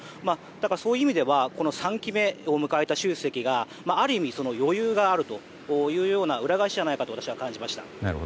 だから、そういう意味では３期目を迎えた習主席がある意味、余裕があるという裏返しじゃないかと私は感じました。